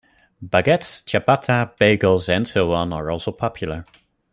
Baguettes, ciabatta, bagels and so on are also popular.